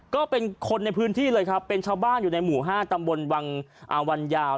ก็เป็นคนในพื้นที่เลยครับเป็นชาวบ้านอยู่ในหมู่๕ตำบลวังวันยาว